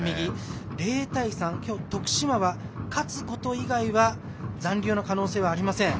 ０対３、きょう徳島は勝つこと以外は残留の可能性はありません。